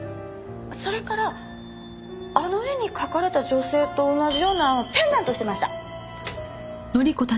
それからあの絵に描かれた女性と同じようなペンダントしてました。